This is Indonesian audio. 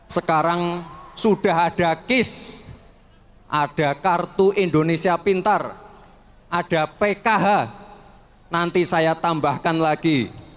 sekarang sudah ada kis ada kartu indonesia pintar ada pkh nanti saya tambahkan lagi